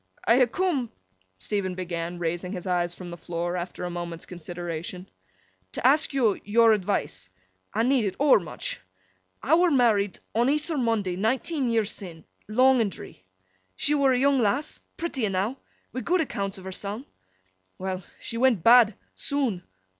'I ha' coom,' Stephen began, raising his eyes from the floor, after a moment's consideration, 'to ask yo yor advice. I need 't overmuch. I were married on Eas'r Monday nineteen year sin, long and dree. She were a young lass—pretty enow—wi' good accounts of herseln. Well! She went bad—soon.